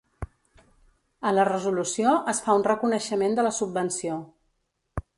A la resolució es fa un reconeixement de la subvenció.